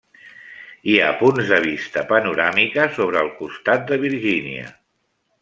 Hi ha punts de vista panoràmica sobre el costat de Virgínia.